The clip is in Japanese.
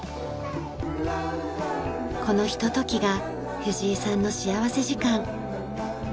このひとときが藤井さんの幸福時間。